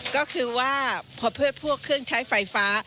ก็คือว่าพอเพิดพวกเครื่องใช้ไฟฟ้า